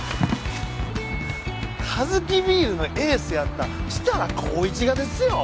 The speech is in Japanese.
カヅキビールのエースやった設楽紘一がですよ？